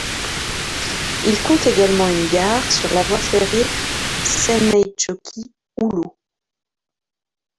Il compte également une gare sur la voie ferrée Seinäjoki-Oulu.